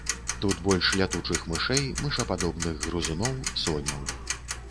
Тут больш лятучых мышэй, мышападобных грызуноў, соняў.